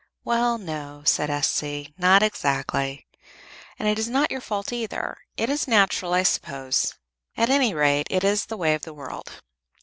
"Well, no," said S.C. "Not exactly. And it is not your fault either. It is natural, I suppose; at any rate, it is the way of the world.